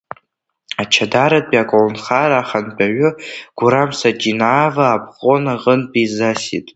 Ачадаратәи аколнхара ахантәаҩы Гәырам Сиҷинаава Обком аҟынтәи изасит…